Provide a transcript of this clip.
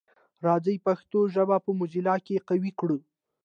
راځی پښتو ژبه په موزیلا کي قوي کړو.